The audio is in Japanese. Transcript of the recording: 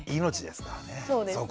命ですからね。